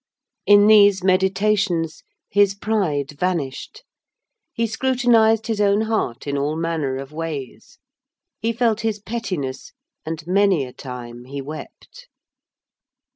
In these meditations, his pride vanished. He scrutinized his own heart in all manner of ways; he felt his pettiness, and many a time he wept.